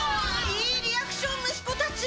いいリアクション息子たち！